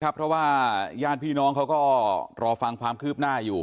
เพราะว่าญาติพี่น้องเขาก็รอฟังความคืบหน้าอยู่